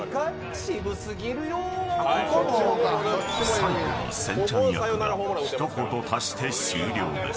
最後に、せんちゃん役が一言足して終了です。